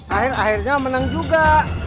akhir akhirnya menang juga